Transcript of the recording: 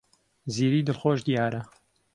زیری دڵخۆش دیارە.